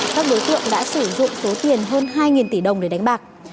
các đối tượng đã sử dụng số tiền hơn hai tỷ đồng để đánh bạc